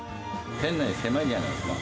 店内狭いじゃないですか。